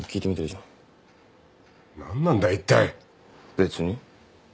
別に。